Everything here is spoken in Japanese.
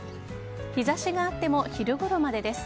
日差しがあっても昼ごろまでです。